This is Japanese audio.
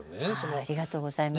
ありがとうございます。